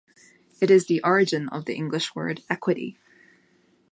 It is the origin of the English word "equity".